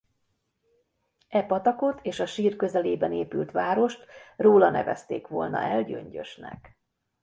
E patakot és a sír közelében épült várost róla nevezték volna el Gyöngyösnek.